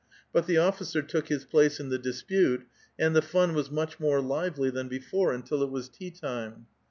But the officer took his place in the dispute, and the fun was much more lively than before until it was tea time.